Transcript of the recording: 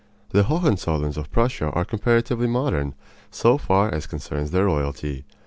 The Hohenzollerns of Prussia are comparatively modern, so far as concerns their royalty.